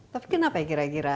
tapi kenapa ya kira kira